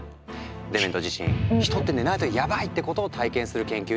デメント自身「人って寝ないとヤバイ！」ってことを体験する研究になったんだ。